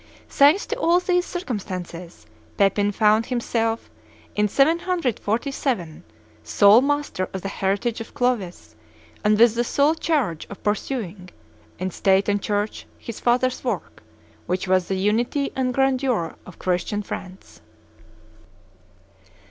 Thanks to all these circumstances, Pepin found himself, in 747, sole master of the heritage of Clovis and with the sole charge of pursuing, in State and Church, his father's work, which was the unity and grandeur of Christian France.